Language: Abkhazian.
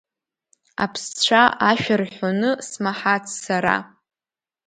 Аԥсцәа ашәа рҳәоны смаҳац сара…